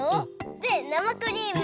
でなまクリーム。